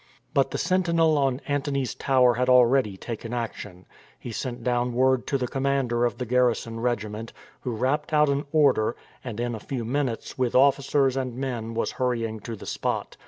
But the sentinel on Antony's tower had already taken action. He sent down word to the commander of the garrison regiment, who rapped out an order, and in a few minutes with officers and men was hurrying to the spot.